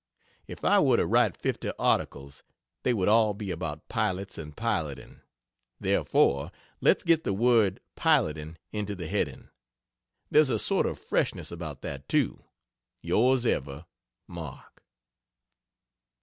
If I were to write fifty articles they would all be about pilots and piloting therefore let's get the word Piloting into the heading. There's a sort of freshness about that, too. Ys ever, MARK.